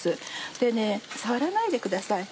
でね触らないでください。